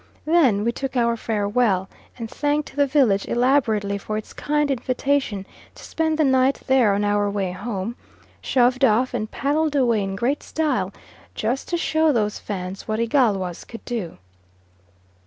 Then we took our farewell, and thanked the village elaborately for its kind invitation to spend the night there on our way home, shoved off and paddled away in great style just to show those Fans what Igalwas could do.